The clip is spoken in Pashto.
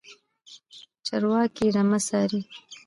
چرواکی رمه څاري.